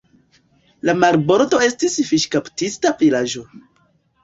La marbordo estis fiŝkaptista vilaĝo.